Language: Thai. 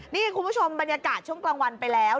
นี่คุณผู้ชมบรรยากาศช่วงกลางวันไปแล้ว